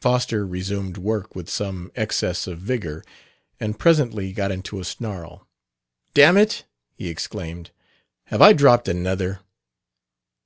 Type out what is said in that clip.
Foster resumed work with some excess of vigor, and presently got into a snarl. "Dammit!" he exclaimed, "have I dropped another?"